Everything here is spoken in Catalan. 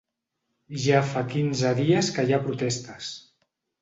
Ja fa quinze dies que hi ha protestes.